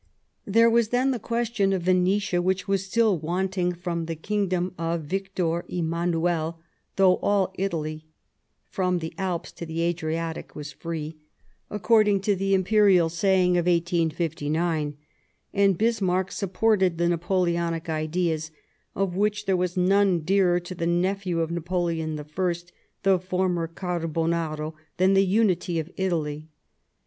There was the question of Venetia, which was still wanting from the King dom of Victor Emmanuel, though all Italy, " from the Alps to the Adriatic, was free," according to the Imperial saying of 1859 i ^^^ Bismarck sup ported the Napoleonic ideas, of which there was none dearer to the nephew of Napoleon I, the former carbonaro, than the unity of Italy.